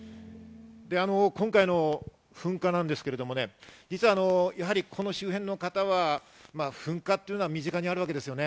今回の噴火なんですけど、実はこの周辺の方は噴火というのは身近にあるわけです。